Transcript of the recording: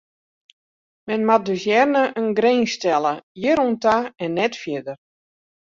Men moat dus earne in grins stelle: hjir oan ta en net fierder.